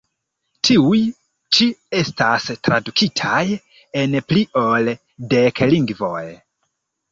Tiuj ĉi estas tradukitaj en pli ol dek lingvoj.